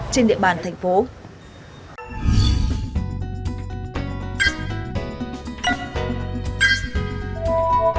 trên địa bàn thành phố